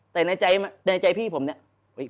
แต่ในใจพี่ผมเนี่ย